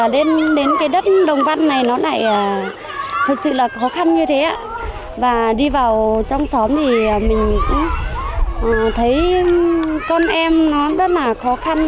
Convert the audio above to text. nên đến cái đất đồng văn này nó lại thật sự là khó khăn như thế và đi vào trong xóm thì mình cũng thấy con em nó rất là khó khăn